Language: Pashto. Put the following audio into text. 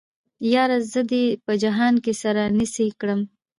ياره زه دې په جهان کې سره نيڅۍ کړم